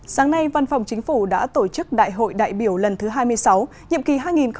sáng nay văn phòng chính phủ đã tổ chức đại hội đại biểu lần thứ hai mươi sáu nhiệm kỳ hai nghìn hai mươi hai nghìn hai mươi năm